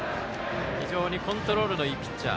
コントロールのいいピッチャー。